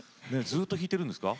ずっと弾いてるんですか？